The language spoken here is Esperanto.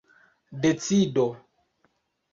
decido